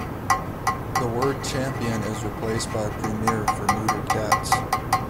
The word Champion is replaced by Premier for neutered cats.